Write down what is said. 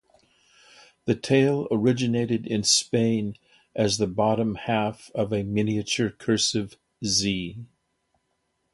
The tail originated in Spain as the bottom half of a miniature cursive z.